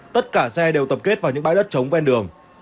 tất cả xe đều tập kết vào những bãi đất chống bên đường